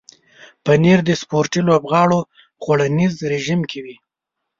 پنېر د سپورت لوبغاړو خوړنیز رژیم کې وي.